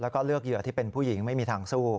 แล้วก็เลือกเหยื่อที่เป็นผู้หญิงไม่มีทางสู้